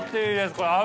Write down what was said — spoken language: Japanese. これ合う！